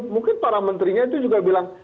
mungkin para menterinya itu juga bilang